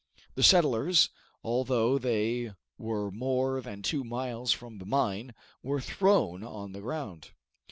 The settlers, although they were more than two miles from the mine, were thrown on the ground.